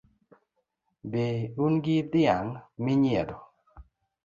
Be un gi dhiang' minyiedho?